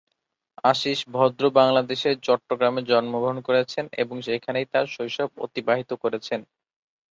আশীষ ভদ্র বাংলাদেশের চট্টগ্রামে জন্মগ্রহণ করেছেন এবং সেখানেই তার শৈশব অতিবাহিত করেছেন।